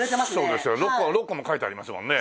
そうですよ６個も書いてありますもんね